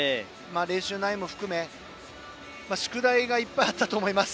練習内容も含め宿題がいっぱいあったと思います。